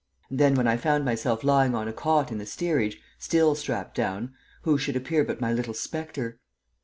And then, when I found myself lying on a cot in the steerage, still strapped down, who should appear but my little spectre.